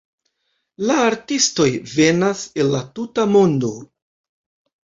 La artistoj venas el la tuta mondo.